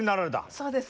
そうです。